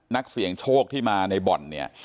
นักเสี่ยงโชคที่มาในบ่อนเนี่ย